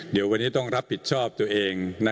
เดี๋ยววันนี้ต้องรับผิดชอบตัวเอง